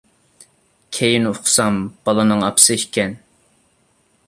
كېيىن ئۇقسام، بالىنىڭ ئاپىسى ئىكەن.